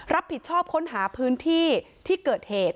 รับผิดชอบค้นหาพื้นที่ที่เกิดเหตุ